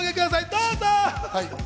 どうぞ！